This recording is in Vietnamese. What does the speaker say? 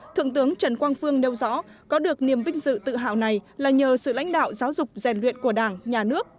thượng tướng trần quang phương nêu rõ có được niềm vinh dự tự hào này là nhờ sự lãnh đạo giáo dục rèn luyện của đảng nhà nước